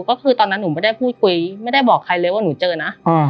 ก็คือตอนนั้นหนูไม่ได้พูดคุยไม่ได้บอกใครเลยว่าหนูเจอนะ